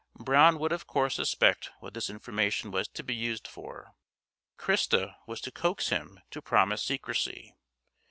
Brown would of course suspect what this information was to be used for. Christa was to coax him to promise secrecy.